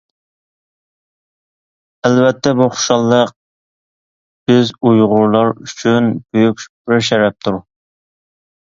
ئەلۋەتتە بۇ خۇشاللىق بىز ئۇيغۇرلار ئۈچۈن بۈيۈك بىر شەرەپتۇر!